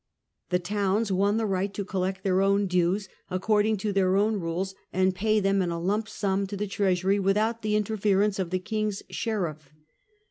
The towns won the right to collect their own dues according to their own rules, and pay them in a lump sum to the treasury without the interference of the king's sheriff.